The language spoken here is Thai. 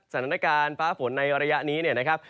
สถานการณ์ฟ้าฝนในระยะนี้เนี่ยนะครับ